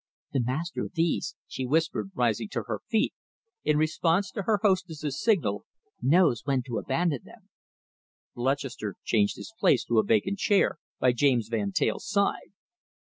"The master of these," she whispered, rising to her feet in response to her hostess's signal, "knows when to abandon them " Lutchester changed his place to a vacant chair by James Van Teyl's side.